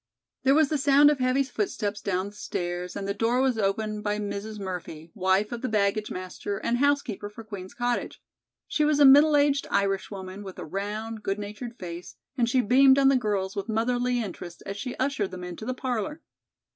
There was the sound of heavy footsteps down the stairs and the door was opened by Mrs. Murphy, wife of the baggage master and housekeeper for Queen's Cottage. She was a middle aged Irish woman with a round, good natured face and she beamed on the girls with motherly interest as she ushered them into the parlor.